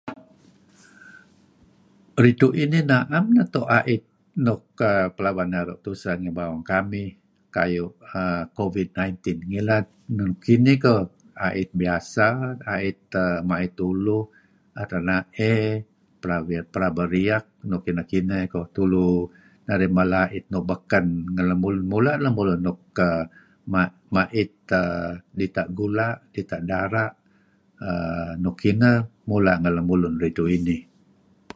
Ridtu' inih na'em neto' a'it nuk err pelaba naru' tuseh lem bawang kamih kayu' err Covid -19 ngilad. Kinih koh, a'it biasa a'it mait uluh, da'et rena'ey, pelaba riyek nuk kineh koh. Tulu narih mala a'it nuk beken ngen lemulun , mula' lemulun nuk ma'it dita' gula', dita' dara' err nuk kineh mula' ngen lemulun ridtu' inih.